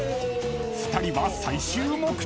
［２人は最終目的地へ］